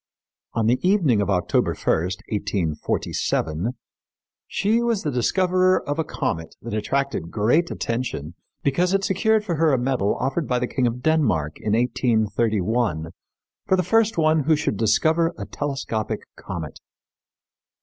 On the evening of October 1, 1847, she was the discoverer of a comet that attracted great attention because it secured for her a medal offered by the King of Denmark in 1831 for the first one who should discover a telescopic comet.